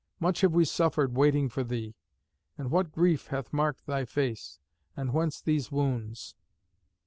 Much have we suffered waiting for thee! And what grief hath marked thy face? and whence these wounds?"